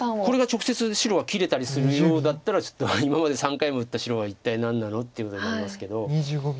これが直接白は切れたりするようだったらちょっと「今まで３回も打った白は一体何なの？」ってことになりますけど。